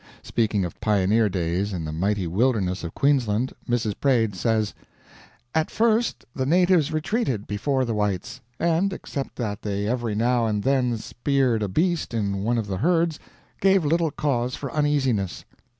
Speaking of pioneer days in the mighty wilderness of Queensland, Mrs. Praed says: "At first the natives retreated before the whites; and, except that they every now and then speared a beast in one of the herds, gave little cause for uneasiness.